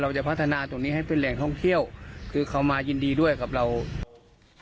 จะพัฒนาตรงนี้ให้เป็นแหล่งท่องเที่ยวคือเขามายินดีด้วยกับเรา